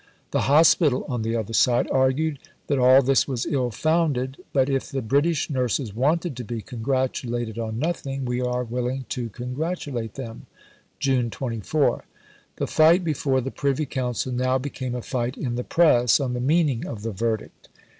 The Hospital, on the other side, argued that all this was ill founded, but if the "British Nurses" wanted to be congratulated on nothing, "we are willing to congratulate them" (June 24). The fight before the Privy Council now became a fight in the press on the meaning of the verdict.